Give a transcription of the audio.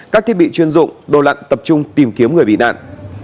các thiết bị chuyên dụng đồ lặn tập trung tìm kiếm người bị nạn